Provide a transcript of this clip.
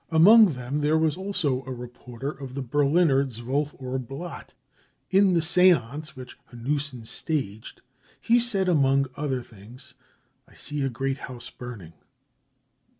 Among them there j'. . was also a reporter of the Berliner 12 Uhr Blatt . In the seance ■ which Hanussen staged, he said, among other things : u I i see a great house burning."